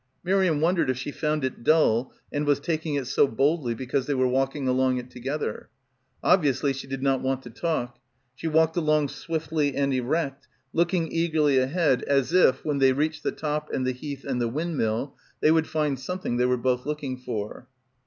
Miriam wondered if she found it dull and was taking it so boldly because they were walking along it together. Obviously she did not want to talk. She walked along swiftly and erect, looking eagerly ahead as if, when they reached the top and the Heath and the windmill, they would find something they were both looking for.